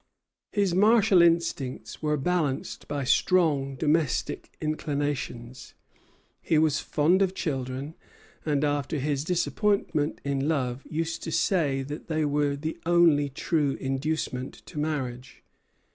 His martial instincts were balanced by strong domestic inclinations. He was fond of children; and after his disappointment in love used to say that they were the only true inducement to marriage.